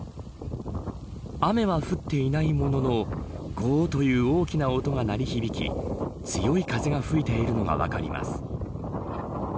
雨は降っていないもののゴーっという大きな音が鳴り響き強い風が吹いているのが分かります。